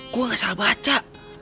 gue nggak salah baca